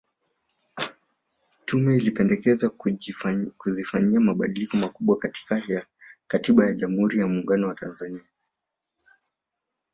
Tume ilipendekeza kuzifanyia mabadiliko makubwa Katiba ya Jamhuri ya Muungano wa Tanzania